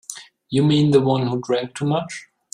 You mean the one who drank so much?